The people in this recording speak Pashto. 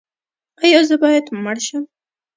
ایا زه باید مړ شم؟